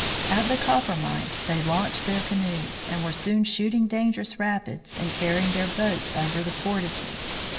At the Coppermine they launched their canoes, and were soon shooting dangerous rapids, and carrying their boats over the portages.